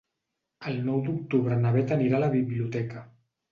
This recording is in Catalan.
El nou d'octubre na Beth anirà a la biblioteca.